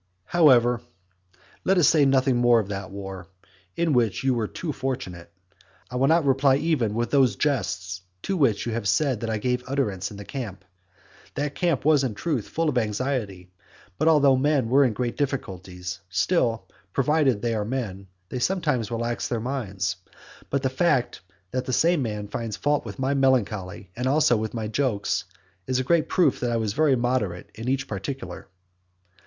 XVI. However, let us say no more of that war, in which you were too fortunate. I will not reply even with those jests to which you have said that I gave utterance in the camp. That camp was in truth full of anxiety, but although men are in great difficulties, still, provided they are men, they sometimes relax their minds. But the fact that the same man finds fault with my melancholy, and also with my jokes, is a great proof that I was very moderate in each particular.